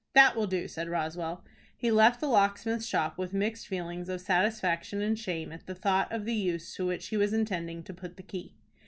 "That will do," said Roswell. He left the locksmith's shop with mixed feelings of satisfaction and shame at the thought of the use to which he was intending to put the key.